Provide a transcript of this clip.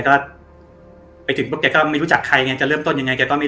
กับเขาก็ไม่รู้ใจว่าจะเริ่มต้นอย่างไร